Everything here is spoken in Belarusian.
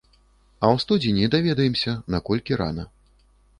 А ў студзені даведаемся, наколькі рана.